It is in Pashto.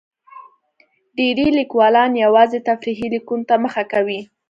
ډېری لیکوالان یوازې تفریحي لیکنو ته مخه کوي.